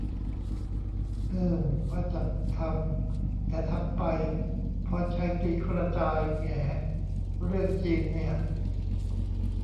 อืม ว่าจะทำ แต่ทำไป พรชัยตีกระจายแหง เรื่องจีนเนี่ย